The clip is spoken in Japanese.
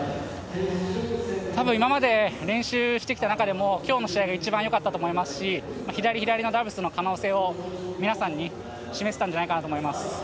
たぶん、今まで練習してきた中でも、きょうの試合が一番よかったと思いますし、左・左のダブルスの可能性を、皆さんに示せたんじゃないかなと思います。